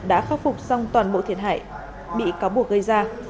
đã khắc phục xong toàn bộ thiệt hại bị cáo buộc gây ra